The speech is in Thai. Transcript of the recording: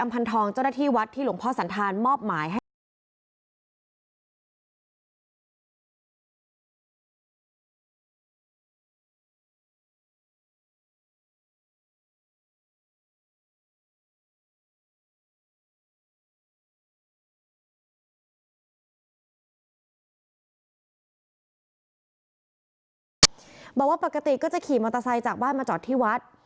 บอกว่าปกติก็จะขี่มอเตอร์ไซค์จากบ้านมาจอดที่วัด